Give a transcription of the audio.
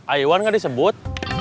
aiwan gak disebut